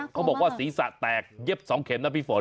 เขาบอกว่าศีรษะแตกเย็บ๒เข็มนะพี่ฝน